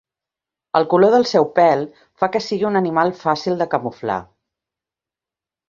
El color del seu pèl fa que sigui un animal fàcil de camuflar.